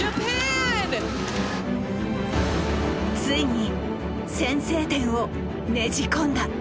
ついに先制点を捻じ込んだ。